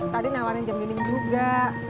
tadi nawarin jam dinding juga